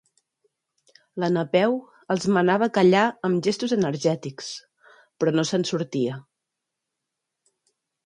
La Napeu els manava callar amb gestos enèrgics, però no se'n sortia.